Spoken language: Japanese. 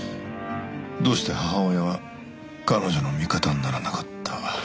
どうして母親は彼女の味方にならなかった？